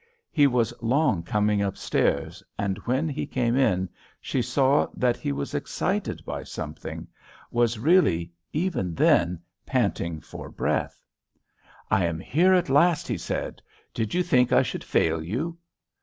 He was long coming up stairs. And when he came in she saw that he was excited by something, was really even then panting for breath. "I am here at last," he said. "Did you think I should fail you?"